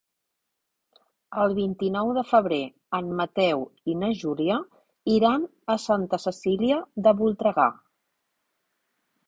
El vint-i-nou de febrer en Mateu i na Júlia iran a Santa Cecília de Voltregà.